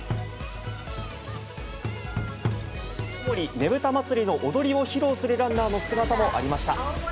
ねぶた祭りの踊りを披露するランナーの姿もありました。